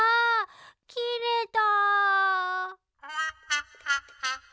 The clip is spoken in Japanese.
きれた。